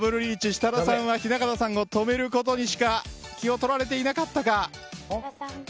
設楽さんは雛形さんを止めることにしか気を取られていなかったか。